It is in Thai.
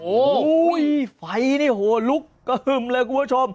โอ้โหไฟนี่โหลุกกระหึ่มเลยคุณผู้ชม